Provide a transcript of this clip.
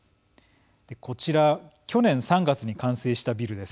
こちら去年３月に完成したビルです。